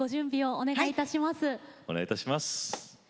お願いいたします。